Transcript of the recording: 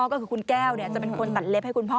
ก็คือคุณแก้วจะเป็นคนตัดเล็บให้คุณพ่อ